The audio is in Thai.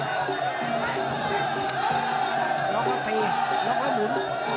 ล๊อคเข้าตีล๊อคเข้ามุน